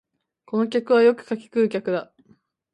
この客はよく柿食う客だ